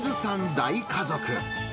大家族。